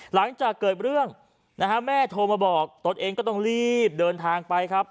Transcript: หลังจากเกิดเรื่องนะฮะแม่โทรมาบอกตนเองก็ต้องรีบเดินทางไปครับ